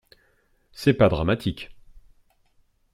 C'est pas dramatique.